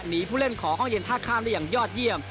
ผู้เล่นของห้องเย็นท่าข้ามได้อย่างยอดเยี่ยม